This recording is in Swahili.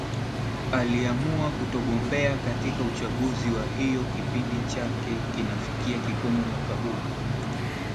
aliamua kutogombea katika uchaguzi na hiyo kipindi chake kinafikia kikomo mwaka huu